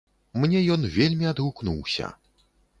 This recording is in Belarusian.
Мне ён вельмі адгукнуўся.